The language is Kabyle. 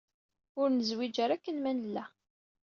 Ur nezwiǧ ara akken ma nella.